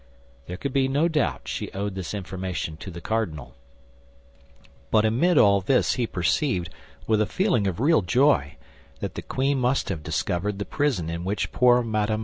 There could be no doubt she owed this information to the cardinal. But amid all this he perceived, with a feeling of real joy, that the queen must have discovered the prison in which poor Mme.